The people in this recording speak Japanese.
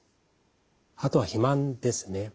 あとは肥満ですね。